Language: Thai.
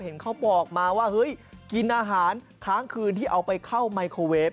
เห็นเขาบอกมาว่าเฮ้ยกินอาหารค้างคืนที่เอาไปเข้าไมโครเวฟ